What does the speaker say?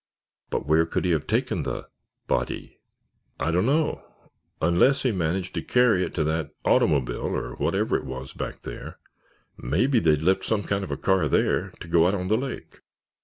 "But where could he have taken the—body?" "I don't know—unless he managed to carry it to that automobile or whatever it was back there. Maybe they'd left some kind of a car there to go out on the lake."